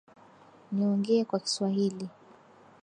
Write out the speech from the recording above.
Niongee kwa Kiswahili .